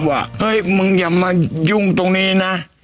เฮ้ยมึงอย่ามายุ่งตรงนี้นะ